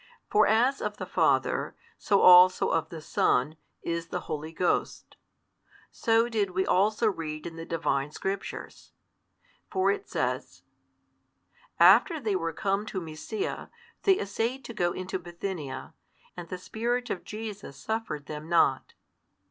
For as of the Father, so also of the Son, is the Holy Ghost. So did we also read in the Divine Scriptures. For it says: After they were come to Mysia, they assayed to go into Bithynia, and the Spirit of Jesus 2 suffered them not.